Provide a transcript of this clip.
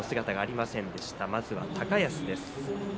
まずは高安です。